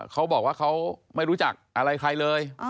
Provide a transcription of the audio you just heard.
เขาบอกว่าเขาไม่รู้จักอะไรใครเลย